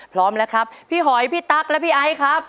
พร้อมแล้วครับพี่หอยพี่ตั๊กและพี่ไอซ์ครับ